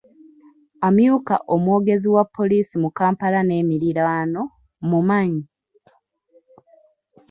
Amyuka omwogezi wa poliisi mu Kampala n'emiriraano mmumanyi.